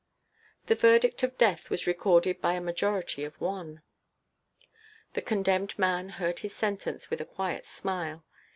The verdict of death was recorded by a majority of one. The condemned man heard his sentence with a quiet smile.